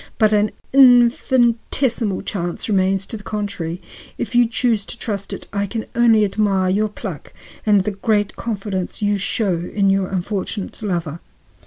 But an infinitesimal chance remains to the contrary. If you choose to trust to it, I can only admire your pluck and the great confidence you show in your unfortunate lover."